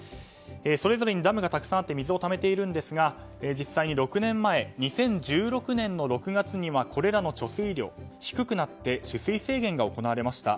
それぞれにダムがたくさんあって水をためているんですが実際に６年前、２０１６年６月にこれらの貯水量、低くなって取水制限が行われました。